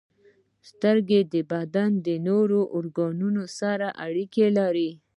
• سترګې د بدن د نورو ارګانونو سره اړیکه لري.